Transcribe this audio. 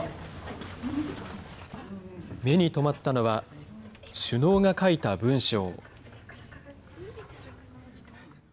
目に留まったのは、首脳が書いた文章。